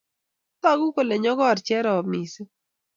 Tagu kole nyokor Cherop missing'